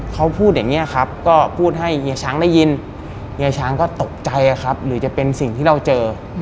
เขาพูดอย่างนี้ครับก็พูดให้เฮียช้างได้ยินเฮียช้างก็ตกใจครับหรือจะเป็นสิ่งที่เราเจอ